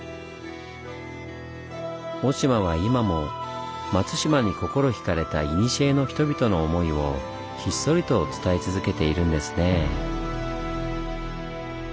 雄島は今も松島に心ひかれた古の人々の思いをひっそりと伝え続けているんですねぇ。